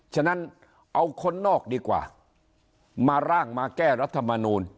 ฉะนั้นเอาคนนอกดีกว่ามาร่างมาแก้รัฐมนูล